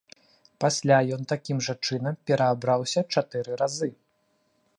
Пасля ён такім жа чынам пераабраўся чатыры разы.